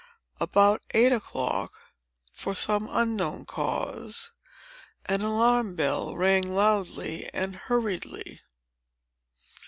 About eight o'clock, for some unknown cause, an alarm bell rang loudly and hurriedly.